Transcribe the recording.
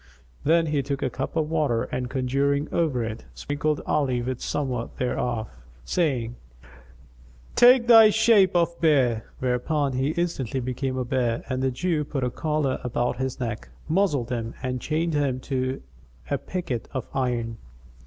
Then he took a cup of water and conjuring over it, sprinkled Ali with somewhat thereof, saying, "Take thou shape of bear;" whereupon he instantly became a bear and the Jew put a collar about his neck, muzzled him and chained him to a picket of iron.